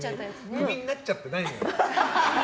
クビになっちゃってないの。